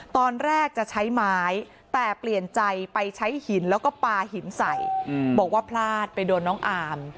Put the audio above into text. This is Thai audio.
ตอนแรกจะใช้ไม้แต่เปลี่ยนใจไปใช้หินแล้วก็ปลาหินใส่บอกว่าพลาดไปโดนน้องอาม